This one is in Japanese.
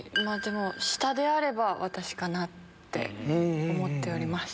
下であれば私かなって思っております。